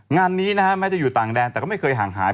งานนี้นะฮะแม้จะอยู่ต่างแดนแต่ก็ไม่เคยห่างหาย